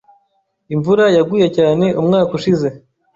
Imvura yaguye cyane umwaka ushize.